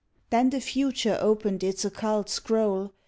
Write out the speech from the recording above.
Then the future opened its ocult scroll.